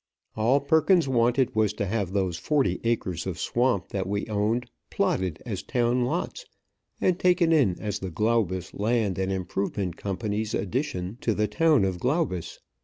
All Perkins wanted was to have those forty acres of swamp that we owned plotted as town lots, and taken in as the Glaubus Land and Improvement Company's Addition to the town of Glaubus.